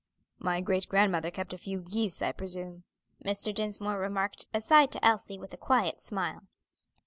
"My great grandmother kept a few geese, I presume," Mr. Dinsmore remarked aside to Elsie with a quiet smile.